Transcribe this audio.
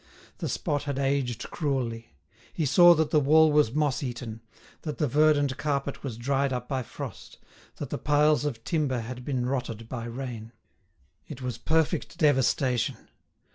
The spot had aged cruelly. He saw that the wall was moss eaten, that the verdant carpet was dried up by frost, that the piles of timber had been rotted by rain. It was perfect devastation.